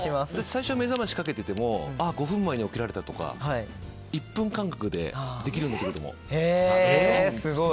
最初は目覚ましをかけてても５分前に起きられたりとか１分間隔でできるようになってくると思う。